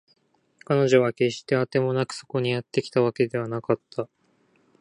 彼女は決してあてもなくそこにやってきたわけではなかった